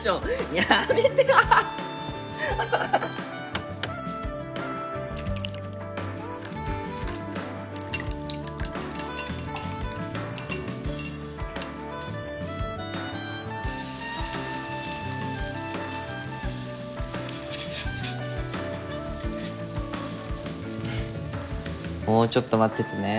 フフッもうちょっと待っててね。